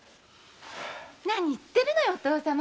何言ってるのよお父様。